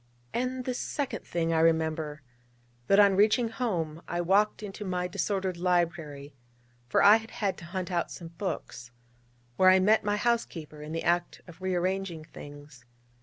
And this second thing I remember: that on reaching home, I walked into my disordered library (for I had had to hunt out some books), where I met my housekeeper in the act of rearranging things.